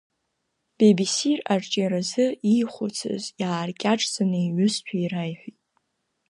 Бибесир аҿиаразы иихәыцыз иааркьаҿӡаны иҩызцәа ираиҳәеит…